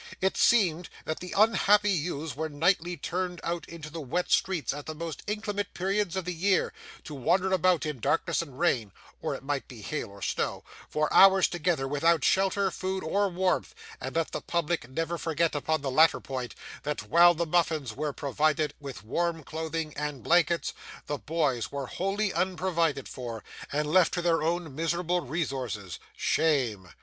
It seemed that the unhappy youths were nightly turned out into the wet streets at the most inclement periods of the year, to wander about, in darkness and rain or it might be hail or snow for hours together, without shelter, food, or warmth; and let the public never forget upon the latter point, that while the muffins were provided with warm clothing and blankets, the boys were wholly unprovided for, and left to their own miserable resources. (Shame!)